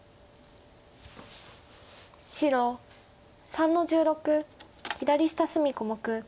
白３の十六左下隅小目。